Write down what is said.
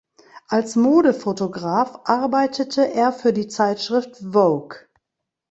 Als Modefotograf arbeitete er für die Zeitschrift Vogue.